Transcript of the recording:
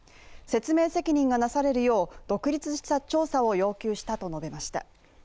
説明責任がなされるよう独立した調査を要求したと述べました。